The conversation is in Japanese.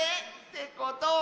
てことは。